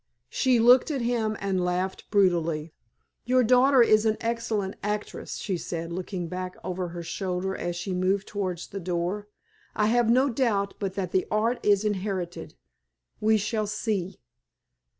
She looked at him and laughed brutally. "Your daughter is an excellent actress," she said, looking back over her shoulder as she moved towards the door. "I have no doubt but that the art is inherited. We shall see!"